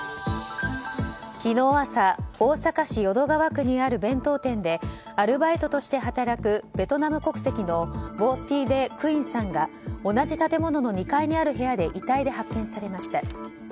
昨日朝、大阪市淀川区にある弁当店でアルバイトとして働くベトナム国籍のヴォ・ティ・レ・クインさんが同じ建物の２階にある部屋で遺体で発見されました。